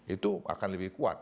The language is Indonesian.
itu akan lebih kuat